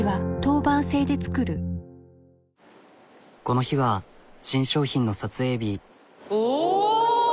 この日は新商品の撮影日。